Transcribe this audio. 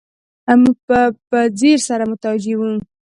موږ به په ځیر سره متوجه وو.